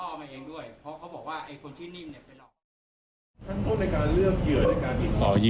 คุณผู้ในการเลือกเหยื่อในการถาม